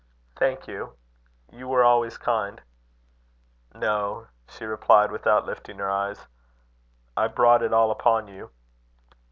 "Thank you. You were always kind." "No," she replied, without lifting her eyes; "I brought it all upon you."